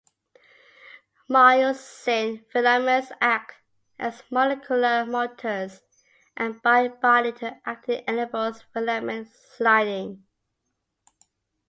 Myosin filaments act as molecular motors and by binding to actin enables filament sliding.